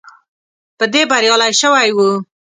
په دې بریالی شوی وو.